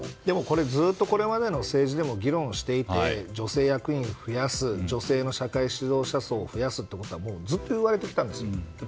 ずっとこれまでの政治でも議論していて女性役員を増やす女性の社会指導者数を増やすということはずっと言われてきたんです。